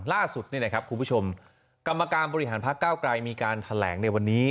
ล่าสุดคุณผู้ชมกรรมการบริหารพักเก้าไกรมีการแถลงในวันนี้